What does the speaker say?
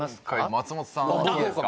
松本さんいいですか？